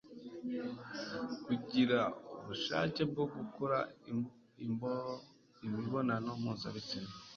kugira ubushake bwo gukora imbonano mpuzabitsina